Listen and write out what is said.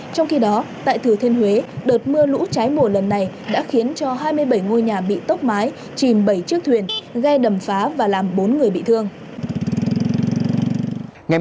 trong khi đó tại thừa thiên huế đợt mưa lũ trái mùa lần này đã khiến cho hai mươi bảy ngôi nhà bị tốc mái chìm bảy chiếc thuyền ghe đầm phá và làm bốn người bị thương